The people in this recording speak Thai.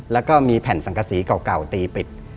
แล้วก็มีแผ่นสังกษีเก่าตีปิด